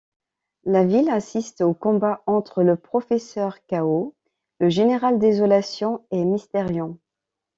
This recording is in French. La ville assiste au combat entre le professeur Chaos, le général Désolation et Mystérion.